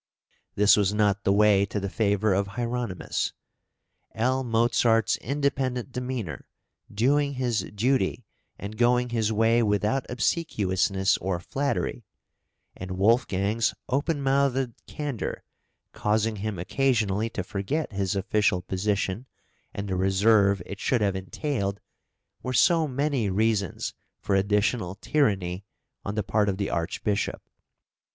This was not the way to the favour of Hieronymus. L. Mozart's independent demeanour, doing his duty and going his way without obsequiousness or flattery, and Wolfgang's open mouthed candour, causing him occasionally to forget his official position and the reserve it should have entailed, were so many reasons for additional tyranny on the part of the Archbishop.